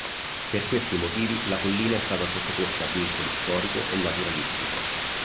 Per questi motivi la collina è stata sottoposta a vincoli storico e naturalistico.